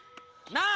なあ！